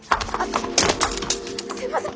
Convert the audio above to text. すいません！